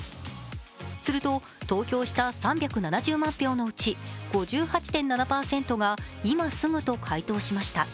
すると投票した３７０万票のうち５８．７％が「今すぐ」と回答しました。